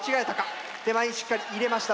手前にしっかり入れました。